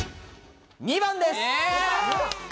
２番です。